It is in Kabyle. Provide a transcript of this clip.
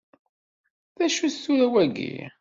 D acu-t tura wagi?